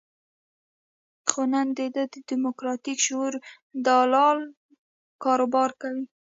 خو نن د ده د دیموکراتیک شعور دلالان کاروبار کوي.